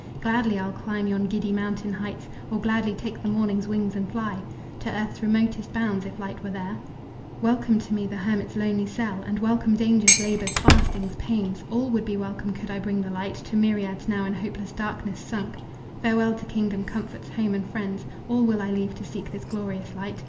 Gladly I'd climb yon giddy mountain heights, Or gladly take the morning's wings and fly To earth's remotest bounds, if light were there, Welcome to me the hermit's lonely cell, And welcome dangers, labors, fastings, pains All would be welcome could I bring the light To myriads now in hopeless darkness sunk. Farewell to kingdom, comforts, home and friends! All will I leave to seek this glorious light."